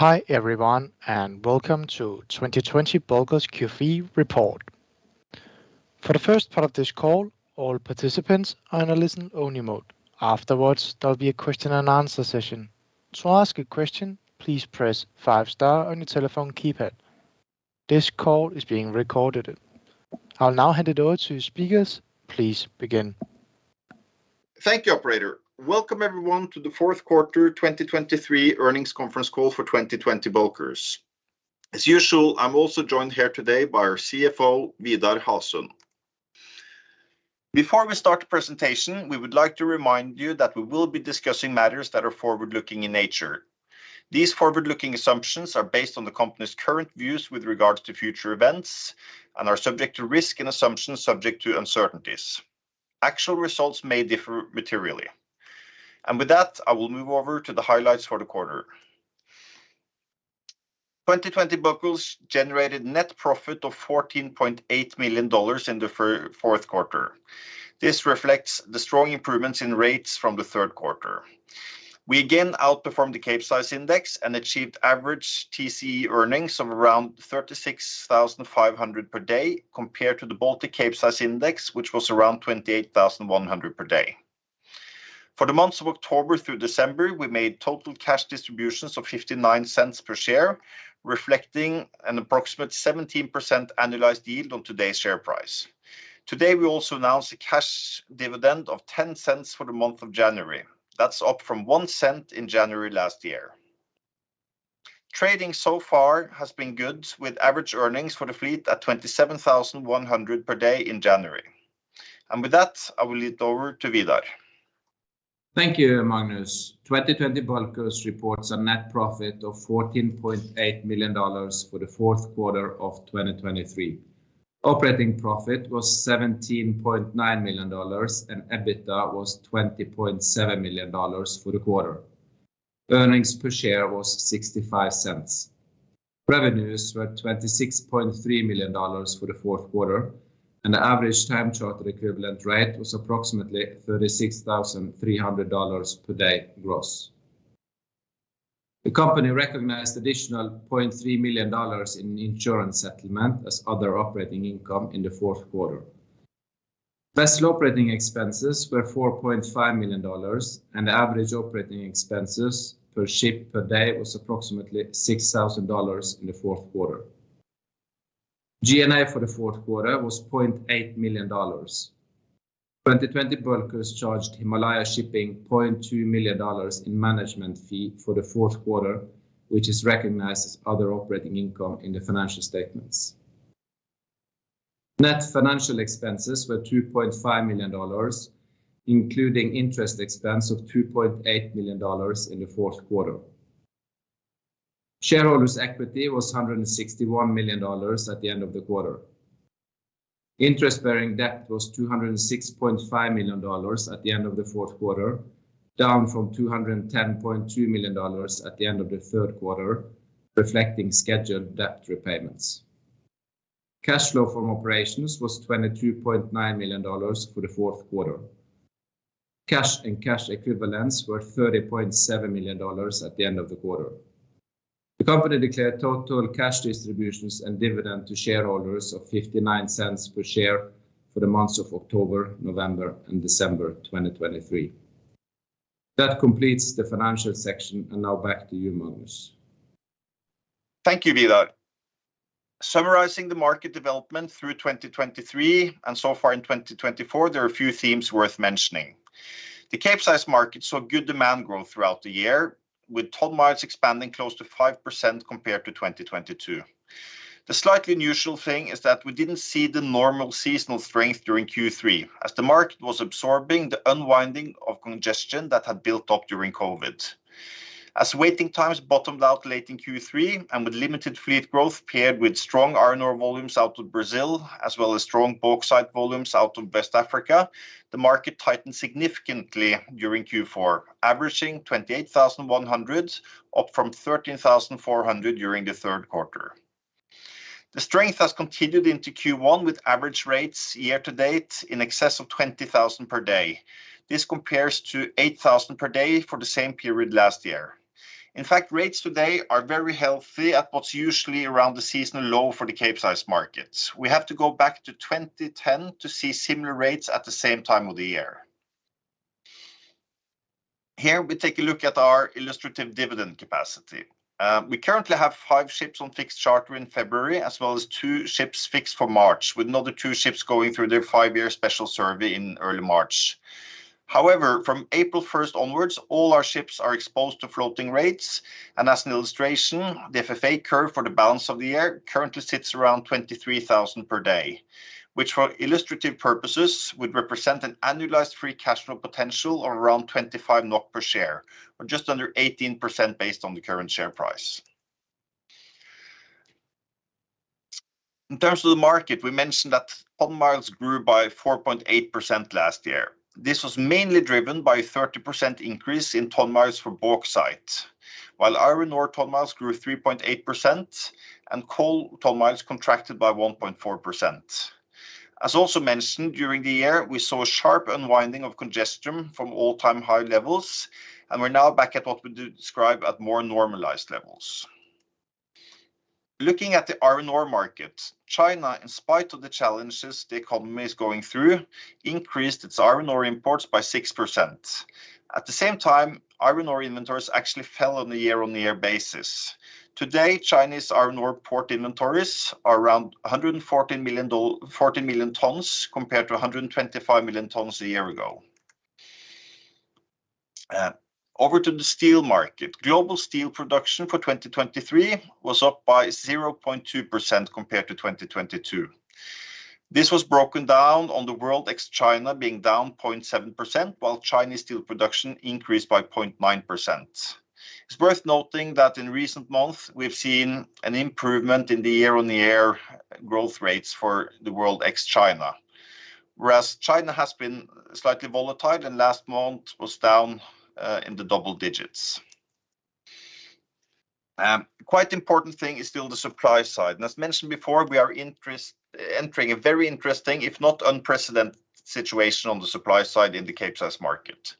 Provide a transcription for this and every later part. Hi, everyone, and welcome to 2020 Bulkers Q3 report. For the first part of this call, all participants are in a listen only mode. Afterwards, there'll be a question and answer session. To ask a question, please press five star on your telephone keypad. This call is being recorded. I'll now hand it over to speakers. Please begin. Thank you, operator. Welcome everyone to the fourth quarter 2023 earnings conference call for 2020 Bulkers. As usual, I'm also joined here today by our CFO, Vidar Hasund. Before we start the presentation, we would like to remind you that we will be discussing matters that are forward-looking in nature. These forward-looking assumptions are based on the company's current views with regards to future events and are subject to risk and assumptions subject to uncertainties. Actual results may differ materially. With that, I will move over to the highlights for the quarter. 2020 Bulkers generated net profit of $14.8 million in the fourth quarter. This reflects the strong improvements in rates from the third quarter. We again outperformed the Capesize index and achieved average TCE earnings of around $36,500 per day, compared to the Baltic Capesize Index, which was around $28,100 per day. For the months of October through December, we made total cash distributions of $0.59 per share, reflecting an approximate 17% annualized yield on today's share price. Today, we also announced a cash dividend of $0.10 for the month of January. That's up from $0.01 in January last year. Trading so far has been good, with average earnings for the fleet at $27,100 per day in January. And with that, I will lead over to Vidar. Thank you, Magnus. 2020 Bulkers reports a net profit of $14.8 million for the fourth quarter of 2023. Operating profit was $17.9 million, and EBITDA was $20.7 million for the quarter. Earnings per share was $0.65. Revenues were $26.3 million for the fourth quarter, and the average time charter equivalent rate was approximately $36,300 per day gross. The company recognized additional $0.3 million in insurance settlement as other operating income in the fourth quarter. Vessel operating expenses were $4.5 million, and the average operating expenses per ship per day was approximately $6,000 in the fourth quarter. G&A for the fourth quarter was $0.8 million. 2020 Bulkers charged Himalaya Shipping $0.2 million in management fee for the fourth quarter, which is recognized as other operating income in the financial statements. Net financial expenses were $2.5 million, including interest expense of $2.8 million in the fourth quarter. Shareholders' equity was $161 million at the end of the quarter. Interest-bearing debt was $206.5 million at the end of the fourth quarter, down from $210.2 million at the end of the third quarter, reflecting scheduled debt repayments. Cash flow from operations was $22.9 million for the fourth quarter. Cash and cash equivalents were $30.7 million at the end of the quarter. The company declared total cash distributions and dividend to shareholders of $0.59 per share for the months of October, November, and December 2023. That completes the financial section, and now back to you, Magnus. Thank you, Vidar. Summarizing the market development through 2023 and so far in 2024, there are a few themes worth mentioning. The Capesize market saw good demand growth throughout the year, with ton miles expanding close to 5% compared to 2022. The slightly unusual thing is that we didn't see the normal seasonal strength during Q3, as the market was absorbing the unwinding of congestion that had built up during COVID. As waiting times bottomed out late in Q3, and with limited fleet growth paired with strong iron ore volumes out of Brazil, as well as strong bauxite volumes out of West Africa, the market tightened significantly during Q4, averaging $28,100, up from $13,400 during the third quarter. The strength has continued into Q1, with average rates year to date in excess of $20,000 per day. This compares to $8,000 per day for the same period last year. In fact, rates today are very healthy at what's usually around the seasonal low for the Capesize markets. We have to go back to 2010 to see similar rates at the same time of the year. Here, we take a look at our illustrative dividend capacity. We currently have five ships on fixed charter in February, as well as two ships fixed for March, with another two ships going through their five-year special survey in early March. However, from April first onwards, all our ships are exposed to floating rates, and as an illustration, the FFA curve for the balance of the year currently sits around 23,000 per day, which for illustrative purposes, would represent an annualized free cash flow potential of around 25 NOK per share, or just under 18% based on the current share price. In terms of the market, we mentioned that ton miles grew by 4.8% last year. This was mainly driven by a 30% increase in ton miles for bauxite, while iron ore ton miles grew 3.8%, and coal ton miles contracted by 1.4%. As also mentioned during the year, we saw a sharp unwinding of congestion from all-time high levels, and we're now back at what we describe at more normalized levels. Looking at the iron ore market, China, in spite of the challenges the economy is going through, increased its iron ore imports by 6%. At the same time, iron ore inventories actually fell on a year-on-year basis. Today, Chinese iron ore port inventories are around 114 million t, compared to 125 million tons a year ago. Over to the steel market. Global steel production for 2023 was up by 0.2% compared to 2022. This was broken down, the world ex-China being down 0.7%, while Chinese steel production increased by 0.9%. It's worth noting that in recent months, we've seen an improvement in the year-over-year growth rates for the world ex-China, whereas China has been slightly volatile, and last month was down in the double digits. Quite important thing is still the supply side, and as mentioned before, we are entering a very interesting, if not unprecedented, situation on the supply side in the Capesize market.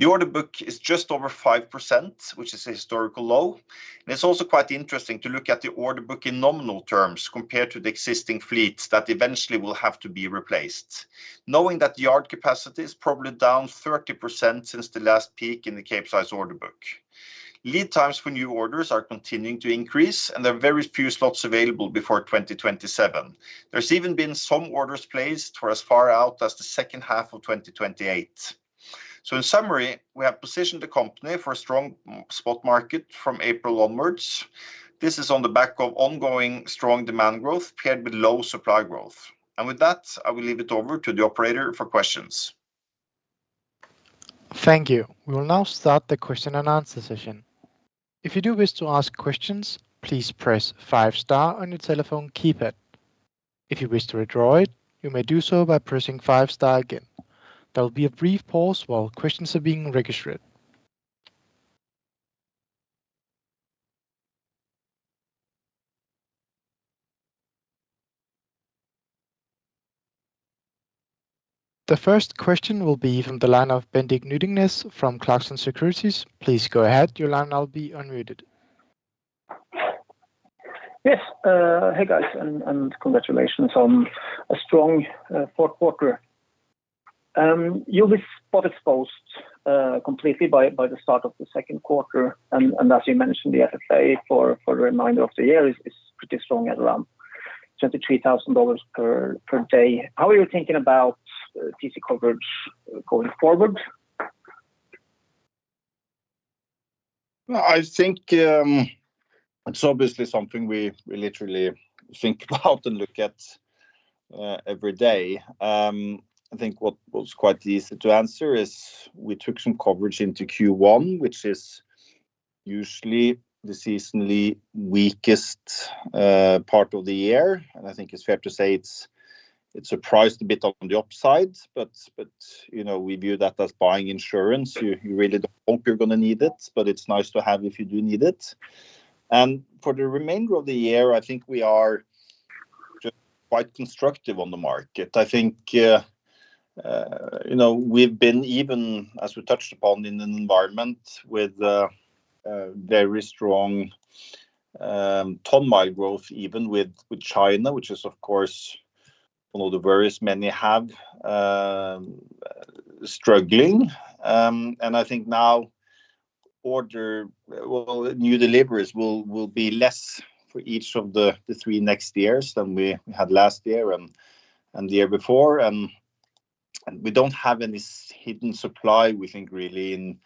The order book is just over 5%, which is a historical low. And it's also quite interesting to look at the order book in nominal terms compared to the existing fleets that eventually will have to be replaced, knowing that the yard capacity is probably down 30% since the last peak in the Capesize order book. Lead times for new orders are continuing to increase, and there are very few slots available before 2027. There's even been some orders placed for as far out as the second half of 2028. So in summary, we have positioned the company for a strong spot market from April onwards. This is on the back of ongoing strong demand growth, paired with low supply growth. And with that, I will leave it over to the operator for questions. Thank you. We will now start the question and answer session. If you do wish to ask questions, please press five star on your telephone keypad. If you wish to withdraw it, you may do so by pressing five star again. There will be a brief pause while questions are being registered. The first question will be from the line of Bendik Nyttingnes from Clarksons Securities. Please go ahead, your line now will be unmuted. Yes. Hey, guys, and congratulations on a strong fourth quarter. You'll be spot exposed completely by the start of the second quarter, and as you mentioned, the FFA for the remainder of the year is pretty strong at around $23,000 per day. How are you thinking about TC coverage going forward? Well, I think, it's obviously something we, we literally think about and look at, every day. I think what was quite easy to answer is we took some coverage into Q1, which is usually the seasonally weakest, part of the year. And I think it's fair to say it's, it's surprised a bit on the upside, but, but, you know, we view that as buying insurance. You, you really don't hope you're gonna need it, but it's nice to have if you do need it. And for the remainder of the year, I think we are just quite constructive on the market. I think, you know, we've been, even as we touched upon, in an environment with, very strong, ton-mile growth, even with, with China, which is, of course, one of the various many have, struggling. I think now, orderbook will be less for each of the three next years than we had last year and the year before. And we don't have any hidden supply, we think, really in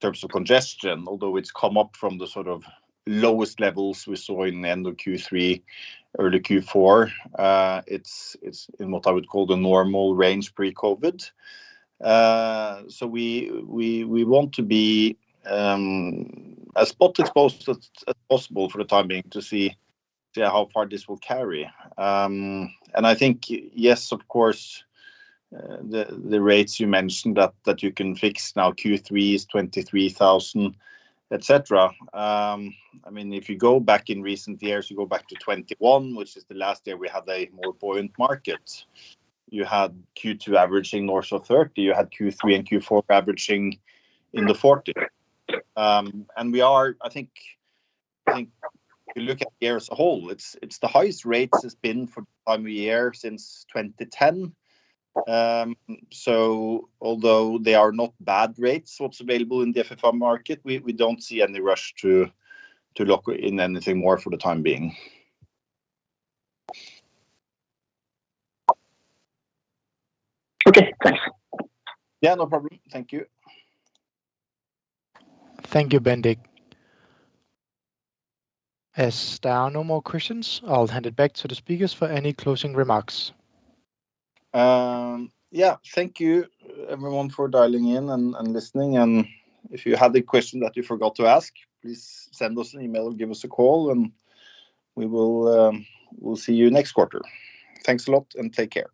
terms of congestion, although it's come up from the sort of lowest levels we saw in the end of Q3, early Q4. It's in what I would call the normal range pre-COVID. So we want to be as spot exposed as possible for the time being to see, yeah, how far this will carry. And I think, yes, of course, the rates you mentioned that you can fix now, Q3 is $23,000, etc. I mean, if you go back in recent years, you go back to 2021, which is the last year we had a more buoyant market. You had Q2 averaging north of 30, you had Q3 and Q4 averaging in the 40. I think you look at the year as a whole, it's the highest rates it's been for time of year since 2010. So although they are not bad rates, what's available in the FFA market, we don't see any rush to lock in anything more for the time being. Okay, thanks. Yeah, no problem. Thank you. Thank you, Bendik. As there are no more questions, I'll hand it back to the speakers for any closing remarks. Yeah. Thank you, everyone, for dialing in and listening. And if you have a question that you forgot to ask, please send us an email or give us a call, and we will, we'll see you next quarter. Thanks a lot, and take care.